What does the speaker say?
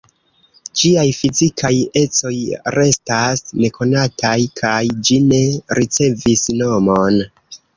Ĝiaj fizikaj ecoj restas nekonataj, kaj ĝi ne ricevis nomon.